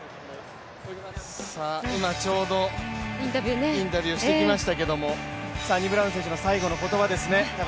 今ちょうどインタビューしてきましたけど、サニブラウン選手の最後の言葉ですね。